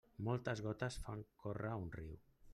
Moltes gotes fan córrer un riu.